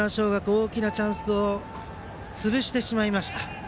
大きなチャンスを潰してしまいました。